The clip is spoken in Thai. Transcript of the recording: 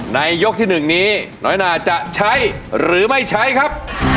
ยกที่๑นี้น้อยนาจะใช้หรือไม่ใช้ครับ